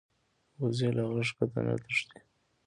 وزې له غره ښکته نه تښتي